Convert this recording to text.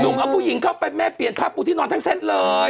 หนุ่มเอาผู้หญิงเข้ามาแม่เปรียนผ้าปูที่นอนทั้งสั้นเลย